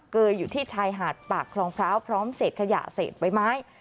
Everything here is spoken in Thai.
เกยอยู่ที่ชายหาดปากคลองพร้าวพร้อมเศษขยะเศษใบไม้